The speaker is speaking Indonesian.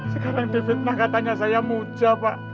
sekarang di fitnah katanya saya muda pak